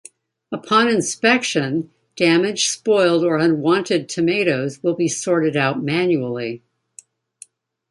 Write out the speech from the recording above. Upon inspection, damaged, spoiled or unwanted tomatoes will be sorted out manually.